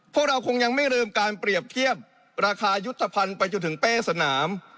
พวกเราคงยังไม่ลืมการเปรียบเทียบราคายุทธภัณฑ์ไปจนถึงเป้สนาม